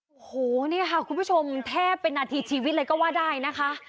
โอ้โหนี่ค่ะคุณผู้ชมแทบเป็นนาทีชีวิตเลยก็ว่าได้นะคะ